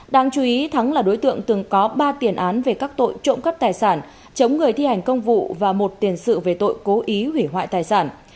đáng chú ý thắng là đối tượng từng có ba tiền án về các tội trộm cắp tài sản chống người thi hành công vụ và một tiền sự về tội cố ý hủy hoại tài sản